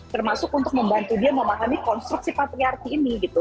termasuk untuk membantu dia memahami konstruksi patriarki ini gitu